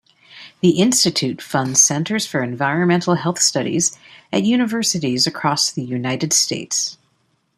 The Institute funds centers for environmental health studies at universities across the United States.